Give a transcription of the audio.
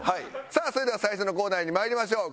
さあそれでは最初のコーナーに参りましょう。